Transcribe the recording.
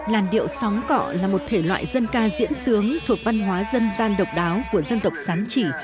làn điệu sóng cọ là một thể loại dân ca diễn sướng thuộc văn hóa dân gian độc đáo của dân tộc sán chỉ